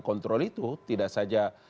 kontrol itu tidak saja